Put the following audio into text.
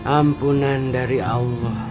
ampunan dari allah